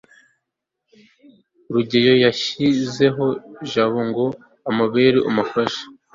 rugeyo yashyizeho jabo ngo amubere umufasha